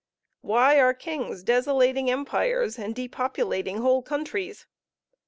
Why are kings desolating empires, and depopulating whole countries?